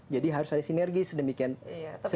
jadi harus ada sinergi sedemikian baik